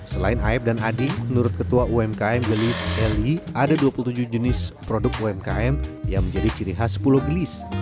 selain aeb dan adik menurut ketua umkm gelis eli ada dua puluh tujuh jenis produk umkm yang menjadi ciri khas pulau gelis